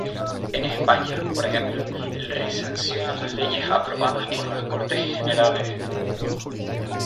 En España, por ejemplo, el Rey sanciona las leyes aprobadas por las Cortes Generales.